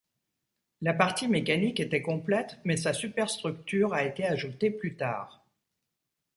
La partie mécanique était complète, mais sa superstructure a été ajoutée plus tard.